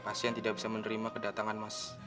pasti yang tidak bisa menerima kedatangan mas